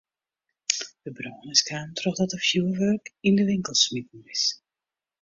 De brân is kaam trochdat der fjoerwurk yn de winkel smiten is.